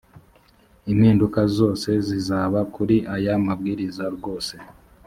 impinduka zose zizaba kuri aya mabwiriza rwose